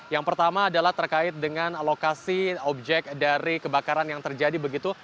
yang pertama adalah terkait dengan lokasi objek dari kebakaran yang terjadi begitu